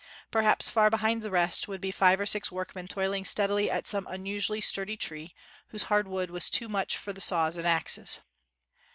Perhaps far behind the rest, would be five or six workmen toiling steadily at some unusually sturdy tree, whose hard wood was too much for the saws and axes.